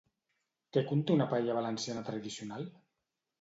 Què conté una paella valenciana tradicional?